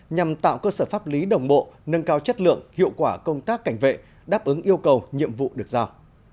nhằm tạo cơ sở pháp lý đồng bộ nâng cao chất lượng hiệu quả công tác cảnh vệ đáp ứng yêu cầu nhiệm vụ được giao